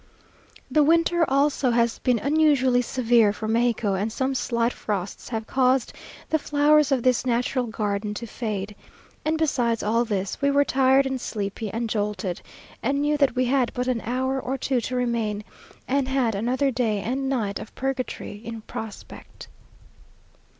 The winter also has been unusually severe for Mexico, and some slight frosts have caused the flowers of this natural garden to fade; and, besides all this, we were tired and sleepy and jolted, and knew that we had but an hour or two to remain, and had another day and night of purgatory in prospect....